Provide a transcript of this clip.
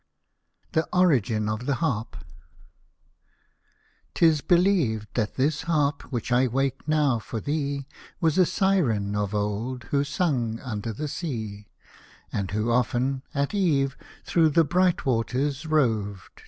THE ORIGIN OF THE HARP 'Tis believed that this Harp, which I wake now for thee, Was a Siren of old, who sung under the sea ; And who often, at eve, thro' the bright waters roved.